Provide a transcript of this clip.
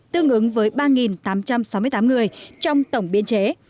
tương ứng với ba tám trăm sáu mươi tám người trong tổng biên chế